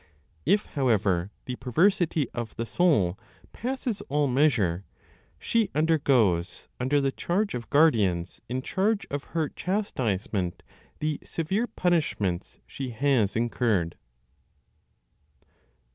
If however the perversity of the soul passes all measure, she undergoes, under the charge of guardians in charge of her chastisement, the severe punishments she has incurred.